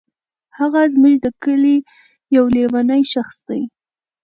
هغه زمونږ دي کلې یو لیونی شخص دی.